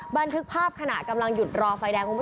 บรรทึกภาพขณะกำลังหยุดรอไฟแดง